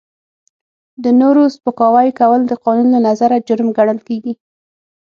د نورو سپکاوی کول د قانون له نظره جرم ګڼل کیږي.